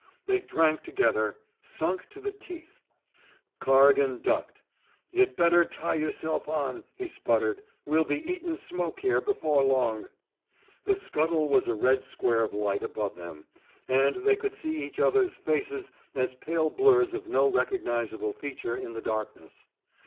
They drank together, sunk to the teeth. Corrigan ducked. *' Yuh'd better tie yer self on,'' he spluttered. We'll be eatin' smoke here before long." 217 THE SMOKE EATERS The scuttle was a red square of light above them, and they could see each other's faces as pale blurs of no recognizable feature in the darkness.